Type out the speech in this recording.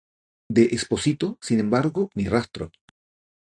De Esposito, sin embargo, ni rastro.